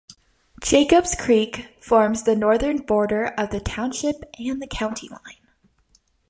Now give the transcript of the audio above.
Jacobs Creek forms the northern border of the township and the county line.